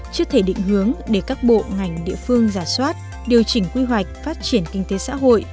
chưa thể định hướng để các bộ ngành địa phương giả soát điều chỉnh quy hoạch phát triển kinh tế xã hội